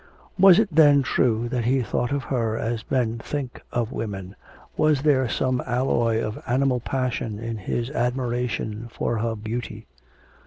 Was it then true that he thought of her as men think of women, was there some alloy of animal passion in his admiration for her beauty?